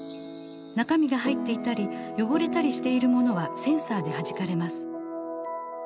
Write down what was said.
中身が入っていたり汚れたりしているものはセンサーではじかれます。